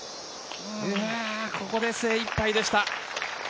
ここで精いっぱいでした。